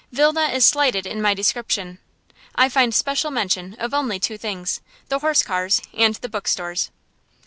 Vilna is slighted in my description. I find special mention of only two things, the horse cars and the bookstores.